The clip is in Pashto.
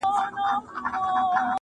راوړئ پلار مي په رضا وي که په زوره,